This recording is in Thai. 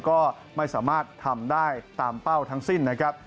ก็ไม่สามารถทำได้ตามเป้าทั้งสิ้นนะครับ